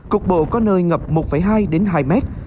cục bộ có nơi ngập một hai đến hai mét